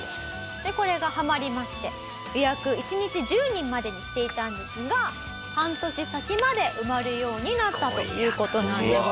でこれがハマりまして予約１日１０人までにしていたんですが半年先まで埋まるようになったという事なんでございます。